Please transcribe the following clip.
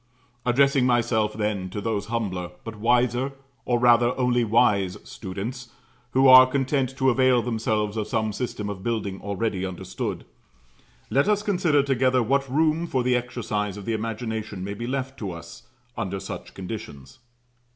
Addressing myself then to those humbler, but wiser, or rather, only wise students who are content to avail themselves of some system of building already understood, let us consider together what room for the exercise of the imagination may be left to us under such conditions.